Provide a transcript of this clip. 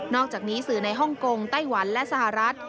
อกจากนี้สื่อในฮ่องกงไต้หวันและสหรัฐ